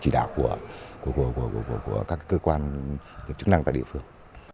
chỉ đạo của các cơ quan chức năng tại địa phương